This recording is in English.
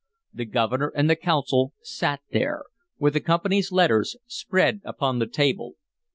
The Governor and the Council sat there, with the Company's letters spread upon the table.